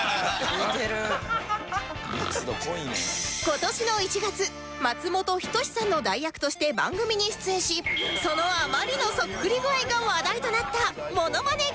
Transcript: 今年の１月松本人志さんの代役として番組に出演しそのあまりのそっくり具合が話題となったモノマネ